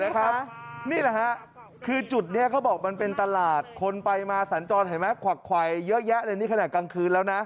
ที่จุดนี้เขาบอกมันเป็นตลาดคนไปมาสัญจรภัยเยอะแยะในขณะกลางคืนแล้วนะ